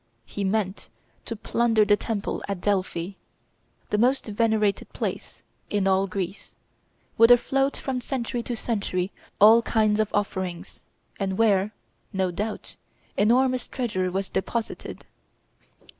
He meant to plunder the temple at Delphi, the most venerated place in all Greece, whither flowed from century to century all kinds of offerings, and where, no doubt, enormous treasure was deposited.